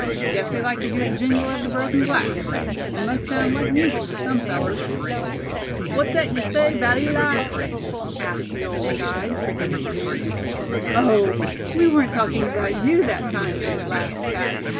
Guess they like to hear the jingle of the broken glass; it must sound like music to some fellers." "What's thet ye say 'bout Eli?" asked the old guide, pricking up his ears. "Oh! we weren't talking about you that time," laughed Thad.